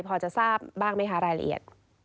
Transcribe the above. พอจะทราบบ้างไหมคะรายละเอียด